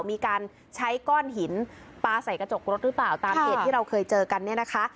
มีการใช้ก้อนหินปลาใส่กระจกรถหรือเปล่าตามเหตุที่เราเคยเจอกันเนี่ยนะคะ